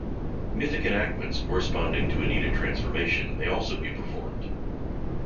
Mythic enactments corresponding to a needed transformation may also be performed.